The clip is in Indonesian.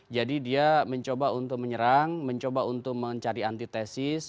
jadi dia mencoba untuk menyerang mencoba untuk mencari antitesis